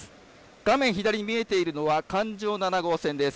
画面左に見えているのは環状７号線です。